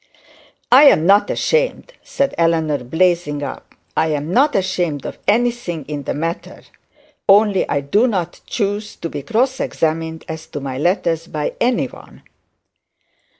'I am not ashamed,' said Eleanor, blazing up; 'I am not ashamed of anything in the matter; only I do not choose to be cross examined as to my letters by any one.'